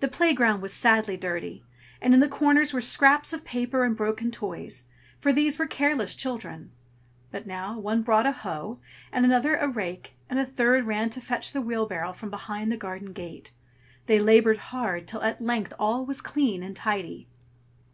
The playground was sadly dirty, and in the corners were scraps of paper and broken toys, for these were careless children. But now, one brought a hoe, and another a rake, and a third ran to fetch the wheelbarrow from behind the garden gate. They labored hard, till at length all was clean and tidy.